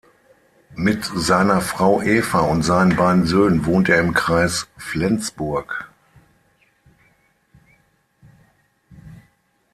Mit seiner Frau Eva und seinen beiden Söhnen wohnt er im Kreis Flensburg.